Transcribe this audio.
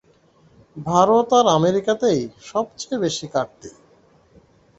ভারত ও আমেরিকাতেই সব চেয়ে বেশী কাটতি।